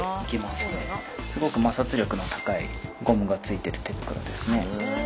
すごく摩擦力の高いゴムがついてる手袋ですね。